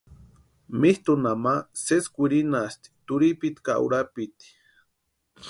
Mitʼunha ma sési kwirinhasti turhipiti ka urapiti.